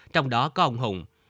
trong đó có ông hùng